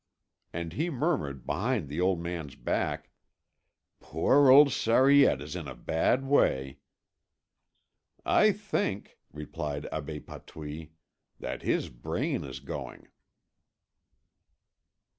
And he murmured behind the old man's back: "Poor old Sariette is in a bad way." "I think," replied Abbé Patouille, "that his brain is going."